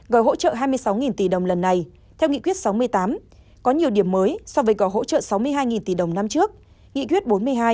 gói hỗ trợ hai mươi sáu tỷ đồng lần này theo nghị quyết sáu mươi tám có nhiều điểm mới so với gói hỗ trợ sáu mươi hai tỷ đồng năm trước nghị quyết bốn mươi hai